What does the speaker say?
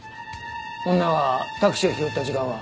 女がタクシーを拾った時間は？